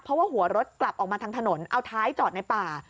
เพราะว่าหัวรถกลับออกมาทางถนนเอาท้ายจอดในป่า